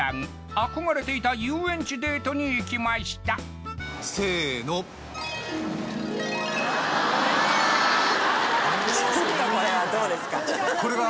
憧れていた遊園地デートに行きましたせのこれはどうですか？